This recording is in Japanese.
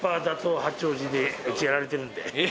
八王子で、うち、やられてるんで。